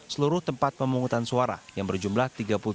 seluruh tempat pemungutan suara yang berjumlah tiga puluh tiga tiga ratus lima